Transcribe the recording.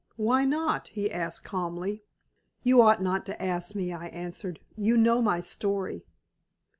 "Why not?" he asked, calmly. "You ought not to ask me," I answered. "You know my story."